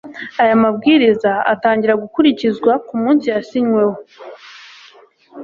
aya mabwiriza atangira gukurikizwa ku munsi yasinyiweho